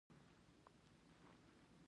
وزې له ماشومانو سره نرمه وي